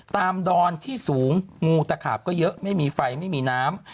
ดอนที่สูงงูตะขาบก็เยอะไม่มีไฟไม่มีน้ำ